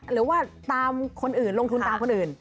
หรือว่าตามคนอื่นลงทุนตามคนอื่น